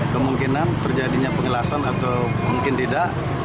kemungkinan terjadinya pengelasan atau mungkin tidak